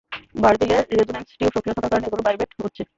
ভার্জিলের resonance tube সক্রিয় থাকার কারণে এগুলো ভাইব্রেট হচ্ছে!